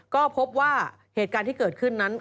ก็พบว่าเหตุการณ์ที่เกิดขึ้นนั้น